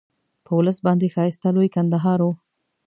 په ولس باندې ښایسته لوی کندهار وو.